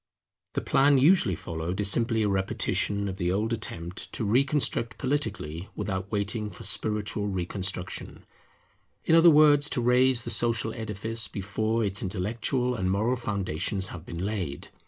The plan usually followed is simply a repetition of the old attempt to reconstruct politically without waiting for spiritual reconstruction; in other words, to raise the social edifice before its intellectual and moral foundations have been laid.